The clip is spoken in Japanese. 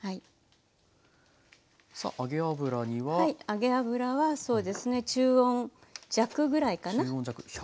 揚げ油はそうですね中温弱ぐらいかな。